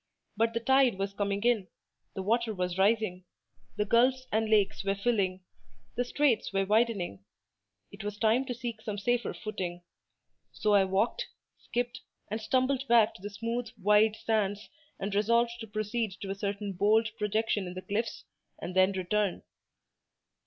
But the tide was coming in; the water was rising; the gulfs and lakes were filling; the straits were widening: it was time to seek some safer footing; so I walked, skipped, and stumbled back to the smooth, wide sands, and resolved to proceed to a certain bold projection in the cliffs, and then return.